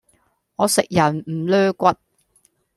我食人唔 𦧲 骨